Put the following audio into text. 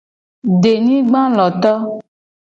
Denyigbaloto.